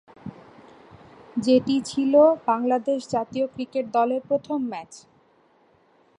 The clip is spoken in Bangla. যেটি ছিল বাংলাদেশ জাতীয় ক্রিকেট দলের প্রথম ম্যাচ।